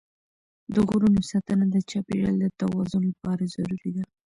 د غرونو ساتنه د چاپېریال د توازن لپاره ضروري ده.